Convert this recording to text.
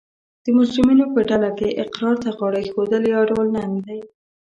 د مجرمینو په ډله کې اقرار ته غاړه ایښول یو ډول ننګ دی